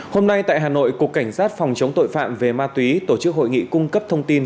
hôm nay tại hà nội cục cảnh sát phòng chống tội phạm về ma túy tổ chức hội nghị cung cấp thông tin